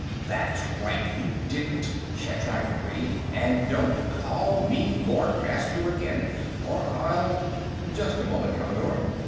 "That's right; you didn't," Shatrak agreed. "And don't call me Lord Master again, or I'll...." "Just a moment, Commodore."